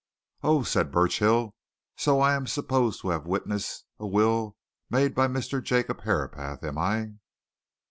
"Oh," said Burchill, "so I am supposed to have witnessed a will made by Mr. Jacob Herapath, am I?"